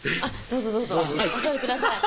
どうぞどうぞお座りください